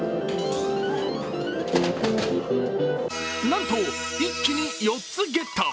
なんと、一気に４つゲット。